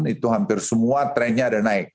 itu hampir semua trennya ada naik